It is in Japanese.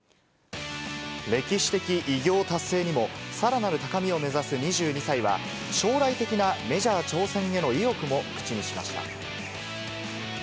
歴史的偉業達成にも、さらなる高みを目指す２２歳は、将来的なメジャー挑戦への意欲も口にしました。